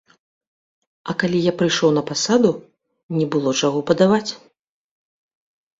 А калі я прыйшоў на пасаду, не было чаго падаваць.